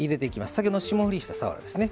先ほどの霜降りしたさわらですね。